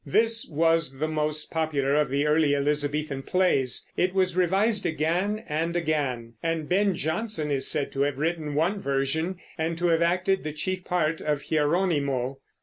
This was the most popular of the early Elizabethan plays; it was revised again and again, and Ben Jonson is said to have written one version and to have acted the chief part of Hieronimo.